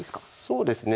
そうですね。